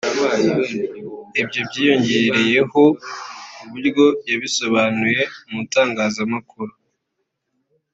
Ibyo byiyongereyeho uburyo yabisobanuye mu itangazamakuru